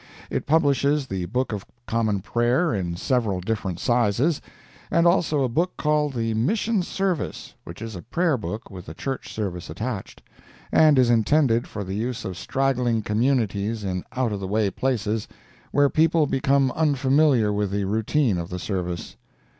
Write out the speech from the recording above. It publishes the Book of Common Prayer in several different sizes, and also a book called the Mission Service, which is a prayer book with the Church service attached, and is intended for the use of straggling communities in out of the way places, where people become unfamiliar with the routine of the service.